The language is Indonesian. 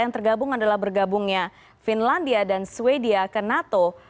yang tergabung adalah bergabungnya finlandia dan sweden ke nato